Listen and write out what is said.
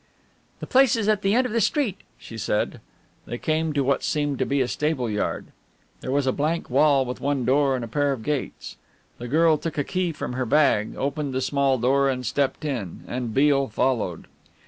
"The place is at the end of this street," she said. They came to what seemed to be a stable yard. There was a blank wall with one door and a pair of gates. The girl took a key from her bag, opened the small door and stepped in, and Beale followed.